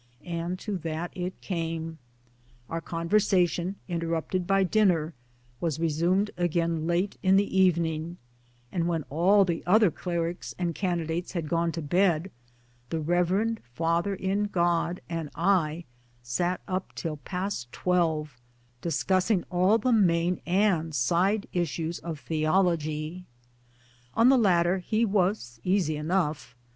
And to that it came. Our conversation, interrupted by dinner, was resumed again late in the evening ; and when all the other clerics and candidates had gone to bed the reverend Father in God and I sat up till past twelve discussing all the main and side issues of Theology 1 On the latter he was easy enough.